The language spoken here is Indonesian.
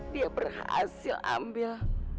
dia berhasil ambil